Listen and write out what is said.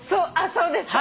そうですか？